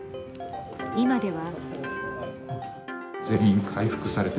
今では。